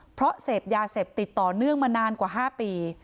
เพราะเสพยาเสพติดต่อเนื่องมานานกว่า๕ปี